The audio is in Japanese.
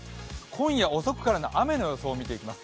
今夜遅くからの雨の予想を見ていきます。